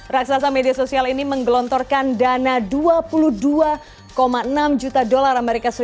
raksasa media sosial ini menggelontorkan dana dua puluh dua enam juta dolar as